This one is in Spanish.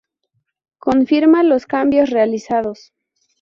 Confirma los cambios realizados.